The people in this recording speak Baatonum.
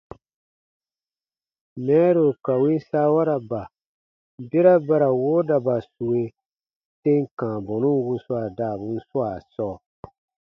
Mɛɛru ka win saawaraba, bera ba ra woodaba sue tem kãa bɔnun wuswaa daabun swaa sɔɔ.